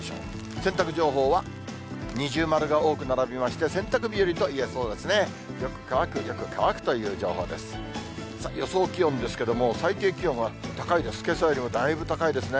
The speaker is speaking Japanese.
洗濯情報は、二重丸が多く並びまして、洗濯日和と言えそうですね。